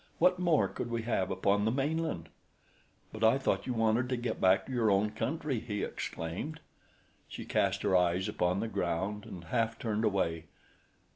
What more could we have upon the mainland?" "But I thought you wanted to get back to your own country!" he exclaimed. She cast her eyes upon the ground and half turned away.